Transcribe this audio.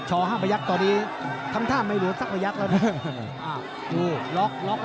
ชอห้าประยักษ์ตอนนี้ทำท่ามไม่เหลือสักประยักษ์แล้วอ้าวล็อคล็อค